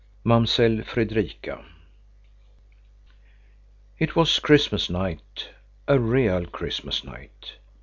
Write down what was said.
MAMSELL FREDRIKA It was Christmas night, a real Christmas night.